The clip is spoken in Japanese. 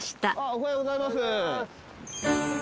おはようございます。